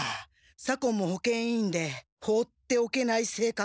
左近も保健委員で放っておけない性格。